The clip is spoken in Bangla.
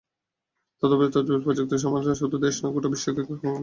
তদুপরি তথ্যপ্রযুক্তির সম্প্রসারণ শুধু দেশ নয়, গোটা বিশ্বকেই ক্রমান্বয়ে ছোট করে ফেলছে।